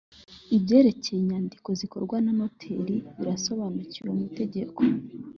ibyerekeye inyandiko zikorwa na noteri birasobanuye mu itegeko